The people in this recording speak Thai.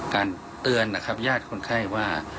เตือนนะครับญาติคนไข้ว่า